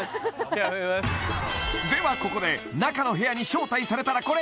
やめますではここで仲の部屋に招待されたらこれ！